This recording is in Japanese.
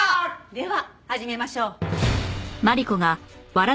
では始めましょう。